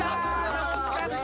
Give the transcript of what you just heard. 楽しかった。